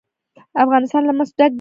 افغانستان له مس ډک دی.